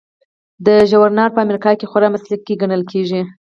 دا ژورنال په امریکا کې خورا مسلکي ګڼل کیږي.